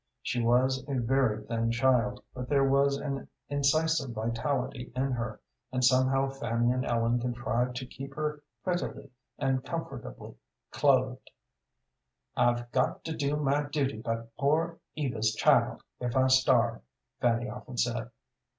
She was a very thin child, but there was an incisive vitality in her, and somehow Fanny and Ellen contrived to keep her prettily and comfortably clothed. "I've got to do my duty by poor Eva's child, if I starve," Fanny often said.